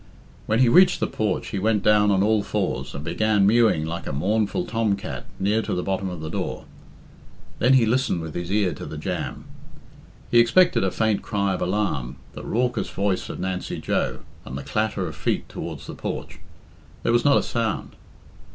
When he reached the porch he went down on all fours, and began mewing like a mournful tom cat near to the bottom of the door. Then he listened with his ear to the jamb. He expected a faint cry of alarm, the raucous voice of Nancy Joe, and the clatter of feet towards the porch. There was not a sound.